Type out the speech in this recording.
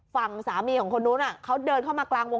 ฝั่งสามีของคนนู้นเขาเดินเข้ามากลางวง